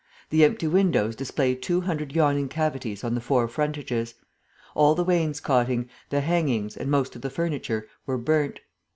The empty windows display two hundred yawning cavities on the four frontages. All the wainscoting, the hangings and most of the furniture were burnt.